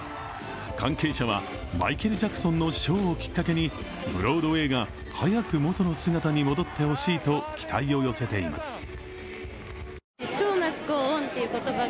関係者はマイケル・ジャクソンのショーをきっかけにブロードウェイが早く元の姿に戻ってほしいと期待を寄せています。